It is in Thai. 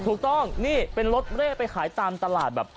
ถูกต้องนี่เป็นรถเร่ไปขายตามตลาดแบบ